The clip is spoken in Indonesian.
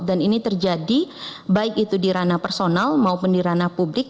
dan ini terjadi baik itu di ranah personal maupun di ranah publik